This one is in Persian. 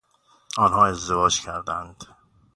آنها ازدواج کردند.